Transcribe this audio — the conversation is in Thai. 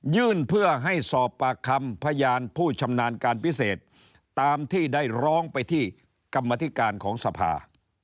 ยื่นเพื่อให้สอบปากคำพยานผู้ชำนาญการพิเศษตามที่ได้ร้องไปที่กรรมธิการของสภา